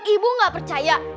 ibu gak percaya